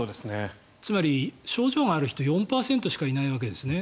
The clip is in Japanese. つまり、症状がある人４％しかいないわけですね。